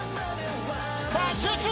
さあ集中！